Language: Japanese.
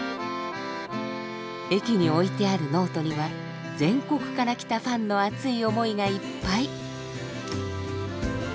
駅に置いてあるノートには全国から来たファンの熱い思いがいっぱい。